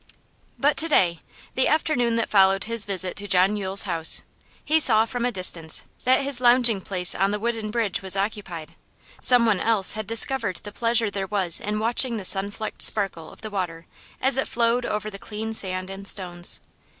But to day the afternoon that followed his visit to John Yule's house he saw from a distance that his lounging place on the wooden bridge was occupied. Someone else had discovered the pleasure there was in watching the sun flecked sparkle of the water as it flowed over the clean sand and stones.